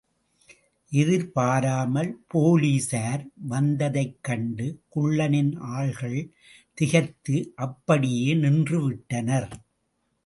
எதிர்பாராமல் போலீசார் வந்ததைக் கண்டு குள்ளனின் ஆள்கள் திகைத்து அப்படியே நின்றுவிட்டனர்.